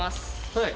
はい。